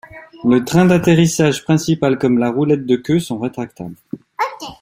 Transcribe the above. Le train d'atterrissage principal comme la roulette de queue sont rétractables.